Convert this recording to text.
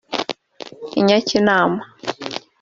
i Nyakinama